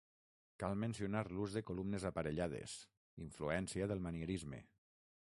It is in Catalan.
Cal mencionar l'ús de columnes aparellades, influència del manierisme.